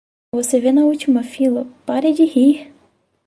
Você vê na última fila, pare de rir!